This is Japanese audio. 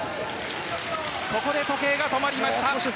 ここで時計が止まりました。